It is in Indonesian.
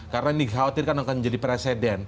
karena ini dikhawatirkan akan menjadi presiden